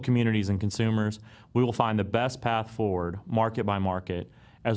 kami akan menemukan jalan terbaik untuk memanfaatkan kembang kapital